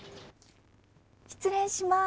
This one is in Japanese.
失礼します。